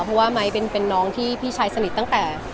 เพราะว่าไม้เป็นน้องที่พี่ชายสนิทตั้งแต่